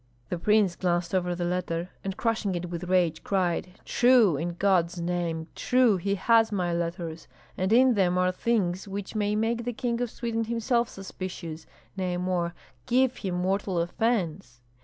The prince glanced over the letter, and crushing it with rage, cried, "True! in God's name, true! He has my letters, and in them are things which may make the King of Sweden himself suspicious, nay more, give him mortal offence."